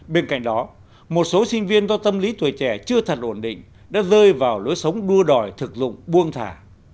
bên cạnh đó một số sinh viên do tâm lý tuổi trẻ chưa thật ổn định đã rơi vào lối sống đua đòi thực dụng buông thả